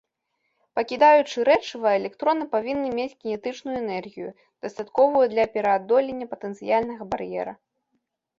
Пакідаючы рэчыва, электроны павінны мець кінетычную энергію, дастатковую для пераадолення патэнцыяльнага бар'ера.